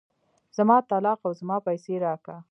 زما طلاق او زما پيسې راکه.